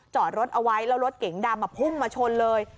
จอดรถเอาไว้แล้วรถเก๋งดำพุ่งมาชนเลย